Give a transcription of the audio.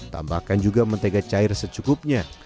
tambahkan juga mentega cair secukupnya